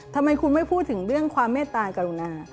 ทำไมคุณไม่พูดถึงเรื่องความเมตตากรุณา